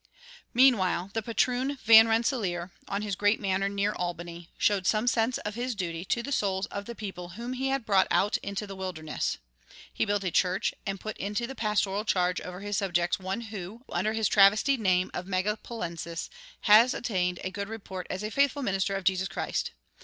Meanwhile the patroon Van Rensselaer, on his great manor near Albany, showed some sense of his duty to the souls of the people whom he had brought out into the wilderness. He built a church and put into the pastoral charge over his subjects one who, under his travestied name of Megapolensis, has obtained a good report as a faithful minister of Jesus Christ.